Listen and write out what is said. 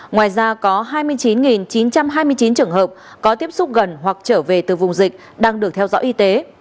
ngoài ra có hai mươi chín chín trăm hai mươi chín trường hợp có tiếp xúc gần hoặc trở về từ vùng dịch đang được theo dõi y tế